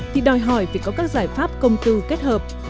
thì đòi hỏi phải có các giải pháp công tư kết hợp